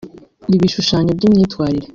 ibishushanyo by’imyitwarire